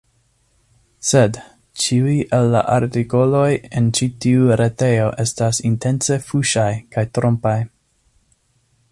Sed, ĉiuj el la artikoloj en ĉi tiu retejo estas intence fuŝaj kaj trompaj.